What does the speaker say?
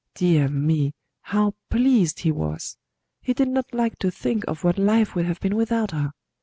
Dear me! how pleased he was! He did not like to think of what life would have been without her.